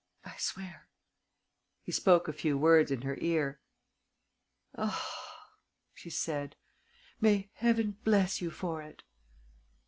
"I swear." He spoke a few words in her ear. "Ah!" she said. "May Heaven bless you for it!"